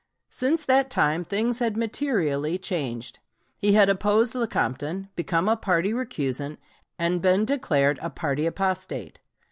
Since that time things had materially changed. He had opposed Lecompton, become a party recusant, and been declared a party apostate.